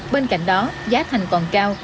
bên cạnh đó giá thành còn cao